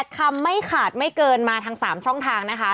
คำไม่ขาดไม่เกินมาทั้ง๓ช่องทางนะคะ